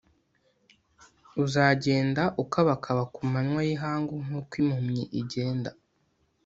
uzagenda ukabakaba ku manywa y ihangu nk uko impumyi igenda